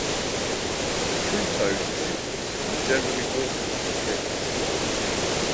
True toads are toothless and generally warty in appearance.